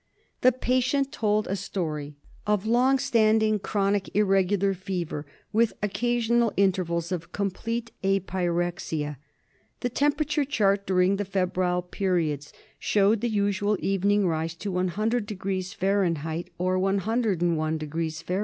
The patient told a story of long standing, chronic irregular fever with occasional intervals of complete apyrexia. The temperature chart during the febrile periods showed the usual evening rise to 100° Fahr. or 101° Fahr.